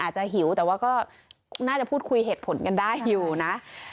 หิวแต่ว่าก็น่าจะพูดคุยเหตุผลกันได้อยู่นะ